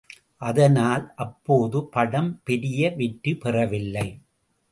அதனால் அப்போது படம் பெரிய வெற்றிபெறவில்லை.